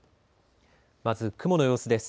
まず雲の様子です。